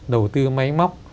đầu tư máy móc